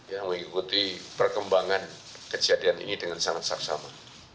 yang mengikuti perkembangan kejadian ini dengan sangat saksama